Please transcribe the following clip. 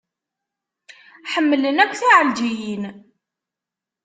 Ḥemmlen akk tiɛelǧiyin.